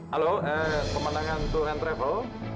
halo pemandangan turent travel